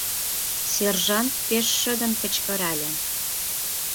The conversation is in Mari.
— сержант пеш шыдын кычкырале.